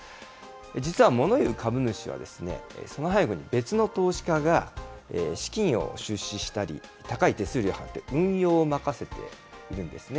実はもの言う株主はその背後に別の投資家が資金を出資したり、高い手数料を払って、運用を任せているんですね。